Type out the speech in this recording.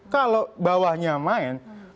kalau bawahnya main